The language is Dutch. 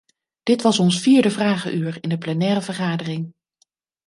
Dit was ons vierde vragenuur in de plenaire vergadering.